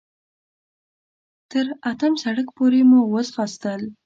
تر اتم سړک پورې مو وځغاستل.